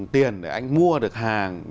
tiền để anh mua được hàng